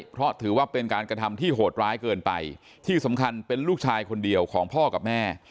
เพราะถือว่าเป็นการกระทำที่โหดร้ายเกินไปที่สำคัญเป็นลูกชายคนเดียวของพ่อกับแม่